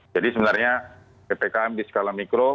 jadi sebenarnya ppkm di skala mikro